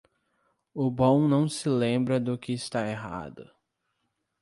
O bom não se lembra do que está errado.